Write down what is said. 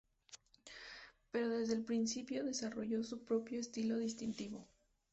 Pero desde el principio desarrolló su propio estilo distintivo.